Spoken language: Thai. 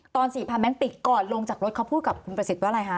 ตอน๔๐๐๐แบงค์ปลีกก่อนลงจากรถเขาพูดกับคุณประสิทธิ์ว่าไรฮะ